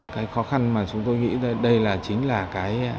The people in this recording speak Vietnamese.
cái khó khăn mà chúng tôi nghĩ đây là chính là cái